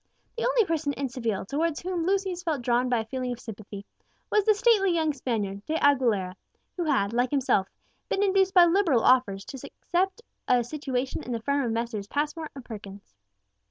The only person in Seville towards whom Lucius felt drawn by a feeling of sympathy was the stately young Spaniard, De Aguilera, who had, like himself, been induced by liberal offers to accept a situation in the firm of Messrs. Passmore and Perkins.